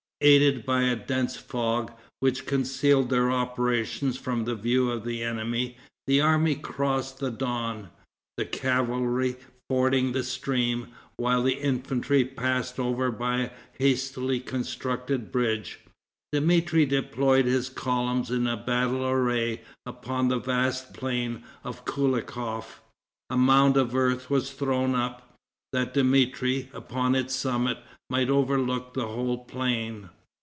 Aided by a dense fog, which concealed their operations from the view of the enemy, the army crossed the Don, the cavalry fording the stream, while the infantry passed over by a hastily constructed bridge. Dmitri deployed his columns in battle array upon the vast plain of Koulikof. A mound of earth was thrown up, that Dmitri, upon its summit, might overlook the whole plain.